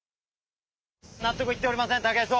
納得いっておりません武井壮。